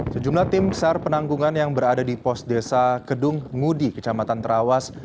sejumlah tim sar penanggungan yang berada di pos desa kedung ngudi kecamatan terawas